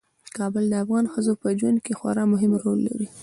کابل د افغان ښځو په ژوند کې خورا مهم رول لري.